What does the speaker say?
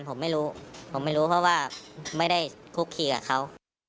ผมไม่รู้เพราะว่าไม่ได้คุกขี่กับเขา